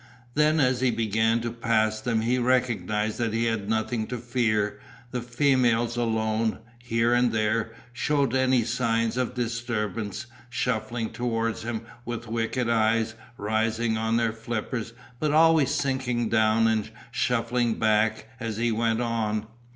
Then as he began to pass them he recognised that he had nothing to fear, the females alone, here and there, shewed any sign of disturbance, shuffling towards him with wicked eyes, rising on their flippers, but always sinking down and shuffling back as he went on.